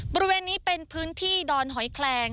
บริเวณนี้เป็นพื้นที่ดอนหอยแคลง